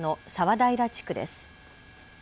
平地区です。